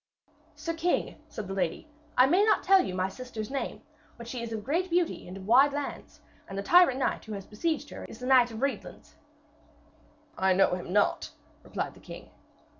'Sir king,' said the lady, 'I may not tell you my sister's name, but she is of great beauty and of wide lands. And the tyrant knight who besieges her is the Red Knight of Reedlands.' 'I know him not,' replied the king.